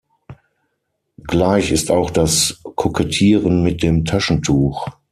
Gleich ist auch das Kokettieren mit dem Taschentuch.